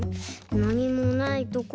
なにもないところから。